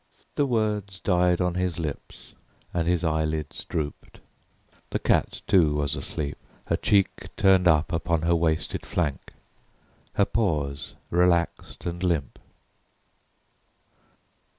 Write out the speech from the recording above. The words died on his lips and his eyelids drooped. The cat, too, was asleep, her cheek turned up upon her wasted flank, her paws relaxed and limp.